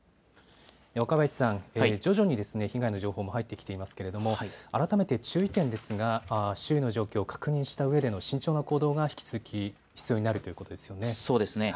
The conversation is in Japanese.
若林さん徐々に被害の情報も入ってきていますけど改めて注意点ですが周囲の状況を確認したうえでの慎重な行動が引き続き必要になるということでしょうね。